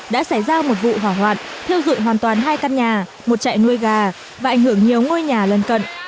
đã xảy ra một vụ hỏa hoạn thiêu dụi hoàn toàn hai căn nhà một chạy nuôi gà và ảnh hưởng nhiều ngôi nhà lân cận